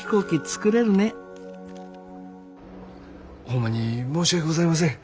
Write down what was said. ホンマに申し訳ございません。